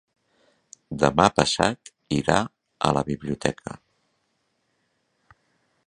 Demà passat irà a la biblioteca.